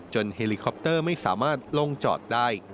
เฮลิคอปเตอร์ไม่สามารถลงจอดได้